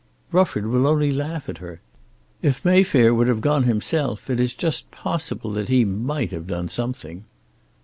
"Rufford will only laugh at her. If Mayfair would have gone himself, it is just possible that he might have done something."